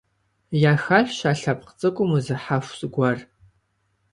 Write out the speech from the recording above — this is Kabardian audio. Яхэлъщ а лъэпкъ цӀыкӀум узыхьэху зыгуэр.